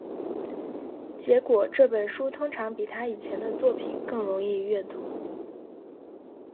结果，这本书通常比他以前的作品更容易阅读。